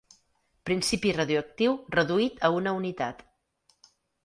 Principi radioactiu reduït a una unitat.